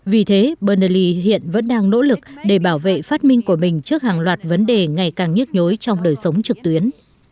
vì thế burnley hiện vẫn đang nỗ lực để bảo vệ phát minh của mình trước hàng loạt vấn đề ngày càng nhức nhối trong đời sống trực tuyến